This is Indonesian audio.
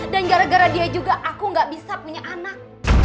dan gara gara dia juga aku gak bisa punya anak